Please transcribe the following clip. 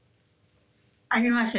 ありますよ。